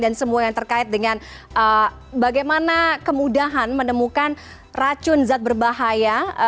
dan semua yang terkait dengan bagaimana kemudahan menemukan racun zat berbahaya